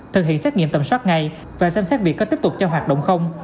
thực hiện xét nghiệm tầm soát ngay và xem xét việc có tiếp tục cho hoạt động không